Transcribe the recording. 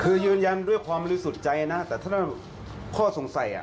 คือยืนยันด้วยความรู้สุดใจนะแต่ถ้านั้นข้อสงสัย